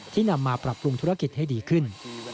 นำมาปรับปรุงธุรกิจให้ดีขึ้น